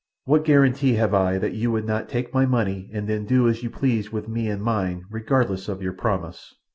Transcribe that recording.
"What guarantee have I that you would not take my money and then do as you pleased with me and mine regardless of your promise?"